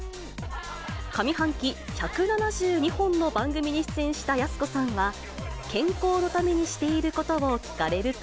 上半期１７２本の番組に出演したやす子さんは、健康のためにしていることを聞かれると。